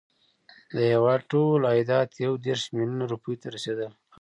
د هیواد ټول عایدات یو دېرش میلیونه روپیو ته رسېدل.